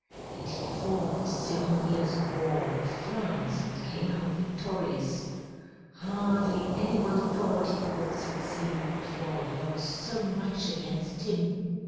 And he fought the Seven Years' War with France and came out victorious. Hardly any one thought he could succeed, for there was so much against him.